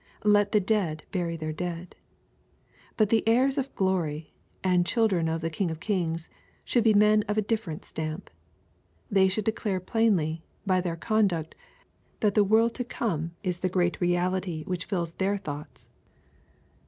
" Let the dead bury their dead." — But the heirs of glory, and children of the King of kings, should be men of a differ ent stamp. They should declare plainly, by their con duct, that the world to come is the great reality whicli fills LUKE, CHA'i. IX. 341 their thoughts.